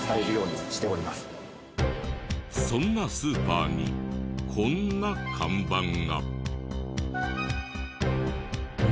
そんなスーパーにこんな看板が。